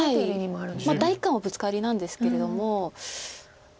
第一感はブツカリなんですけれども。